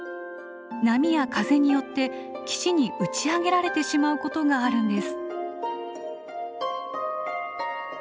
波や風によって岸に打ち上げられてしまうことがあるんです。